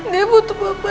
dia butuh bapaknya pak